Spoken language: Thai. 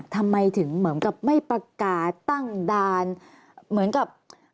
ทำไมถึงเหมือนกับไม่ประกาศตั้งด่านเหมือนกับ